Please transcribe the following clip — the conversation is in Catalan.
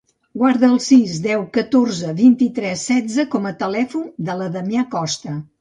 Guarda el sis, deu, catorze, vint-i-tres, setze com a telèfon de la Damià Costa.